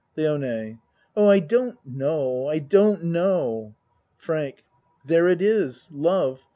LIONE Oh, I don't know. I don't know. FRANK There it is! Love!